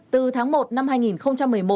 từ tháng một năm hai nghìn một mươi một